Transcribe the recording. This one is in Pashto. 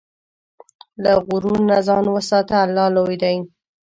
له غرور نه ځان وساته، الله لوی دی.